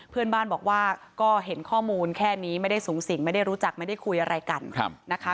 เพื่อนบ้านบอกว่าก็เห็นข้อมูลแค่นี้ไม่ได้สูงสิงไม่ได้รู้จักไม่ได้คุยอะไรกันนะคะ